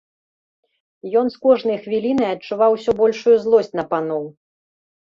Ён з кожнай хвілінай адчуваў усё большую злосць на паноў.